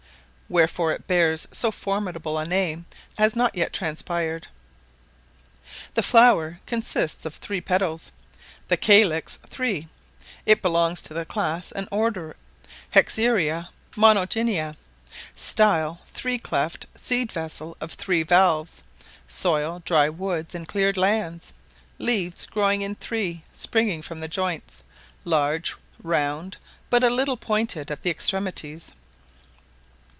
Wherefore it bears so formidable a name has not yet transpired. The flower consists of three petals, the calix three; it belongs to the class and order Hexandria monogynia; style, three cleft; seed vessel of three valves; soil, dry woods and cleared lands; leaves growing in three, springing from the joints, large round, but a little pointed at the extremities.